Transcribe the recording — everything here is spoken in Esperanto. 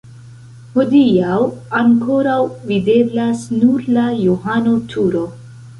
Hodiaŭ ankoraŭ videblas nur la Johano-turo.